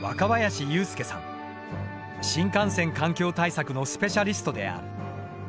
新幹線環境対策のスペシャリストである。